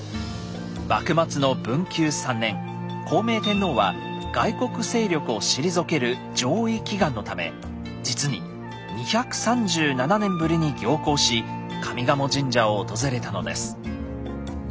幕末の文久３年孝明天皇は外国勢力を退ける攘夷祈願のため実に２３７年ぶりに行幸し上賀茂神社を訪れたのです。